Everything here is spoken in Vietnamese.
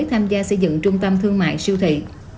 tham gia xây dựng trung tâm thương mại siêu thị